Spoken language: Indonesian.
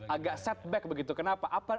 agak setback begitu kenapa